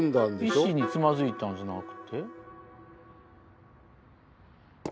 石につまずいたんじゃなく？